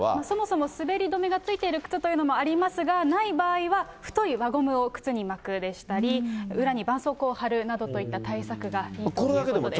そもそも滑り止めがついている靴というのもありますが、ない場合は、太い輪ゴムを靴に巻くでしたり、裏にばんそうこうを貼るなどといった対策がいいということで。